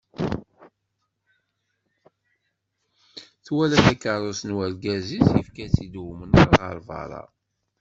Twala takerrust n urgaz-is yefka-tt-id umnar ɣer berra.